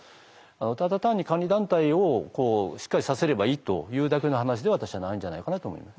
ただ単に監理団体をしっかりさせればいいというだけの話では私はないんじゃないかなと思います。